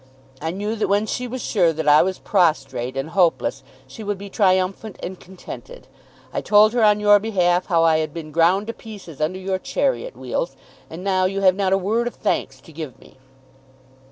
I knew that when she was sure that I was prostrate and hopeless she would be triumphant and contented. I told her on your behalf how I had been ground to pieces under your chariot wheels. And now you have not a word of thanks to give me!"